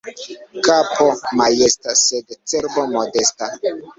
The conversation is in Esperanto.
Kapo majesta, sed cerbo modesta.